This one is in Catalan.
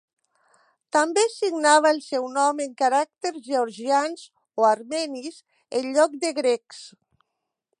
També signava el seu nom en caràcters georgians o armenis en lloc de grecs.